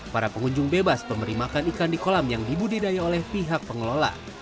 para pengunjung bebas memerimakan ikan di kolam yang dibudedaya oleh pihak pengelola